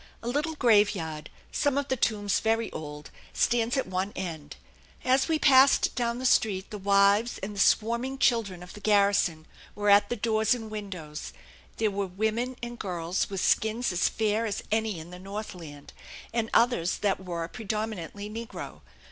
A little graveyard, some of the tombs very old, stands at one end. As we passed down the street the wives and the swarming children of the garrison were at the doors and windows; there were women and girls with skins as fair as any in the northland, and others that were predominantly negro.